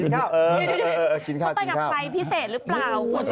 เท่ากับไฟพิเศษหรือเปล่า